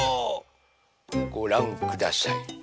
ごらんください。